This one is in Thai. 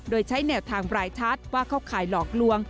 โดยใช้แนวทางรายชัดว่าเข้าข่ายหลอกลวง